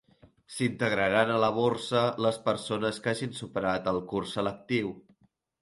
S'integraran a la borsa les persones que hagin superat el curs selectiu.